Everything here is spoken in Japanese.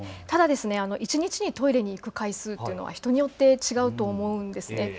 ただ、一日にトイレに行く回数は人によって違うと思うんです。